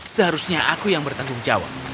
seharusnya aku yang bertanggung jawab